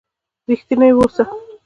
رښتيني وسه.